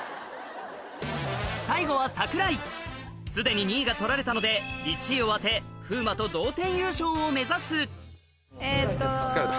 最後は桜井すでに２位が取られたので１位を当て風磨と同点優勝を目指す疲れた。